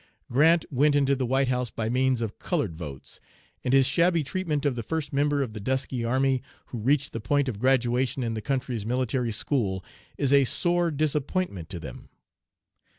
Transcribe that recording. Grant went into the White House by means of colored votes, and his shabby treatment of the first member of the dusky army who reached the point of graduation in the country's military school, is a sore disappointment to them.